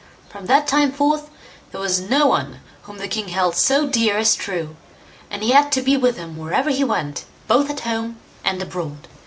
From that time forth there was no one whom the king held so dear as True, and he had to be with him wherever he went, both at home and abroad.